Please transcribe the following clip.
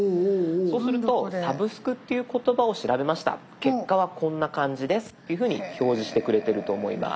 そうすると「サブスク」っていう言葉を調べました結果はこんな感じですっていうふうに表示してくれてると思います。